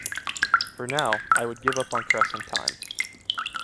For now, I would give up on cress and thyme.